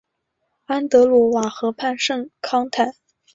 安德鲁瓦河畔圣康坦。